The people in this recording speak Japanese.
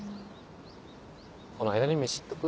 この間にメシ行っとく？